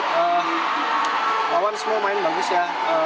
untuk pertandingan tadi lawan semua main bagus ya